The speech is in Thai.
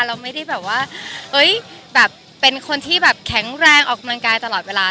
เราไม่ได้เป็นคนที่แข็งแรงออกกำลังกายตลอดเวลา